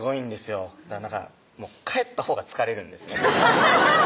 だから帰ったほうが疲れるんですね